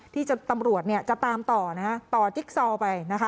ที่ตำรวจจะตามต่อจิ๊กซอลไป